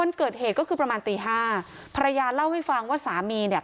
วันเกิดเหตุก็คือประมาณตีห้าภรรยาเล่าให้ฟังว่าสามีเนี่ย